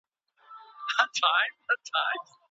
د لري واټن زده کړه ولي له مخامخ ټولګیو څخه عصري ده؟